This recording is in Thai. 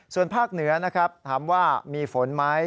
ส่วนภาคเหนือนะครับถามว่ามีฝนไหม